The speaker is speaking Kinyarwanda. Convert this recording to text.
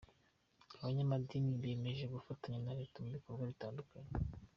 Abanyamadini biyemeje gufatanya na Leta mu bikorwa bitandukanye.